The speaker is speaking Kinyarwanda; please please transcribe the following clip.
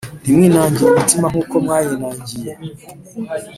Ntimwinangire imitima Nk uko mwayinangiye